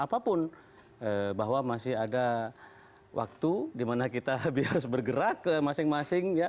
apapun bahwa masih ada waktu dimana kita harus bergerak ke masing masing ya